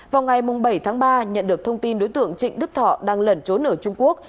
vào ngày bảy tháng ba nhận được thông tin đối tượng trịnh đức thọ đang lẩn trốn ở trung quốc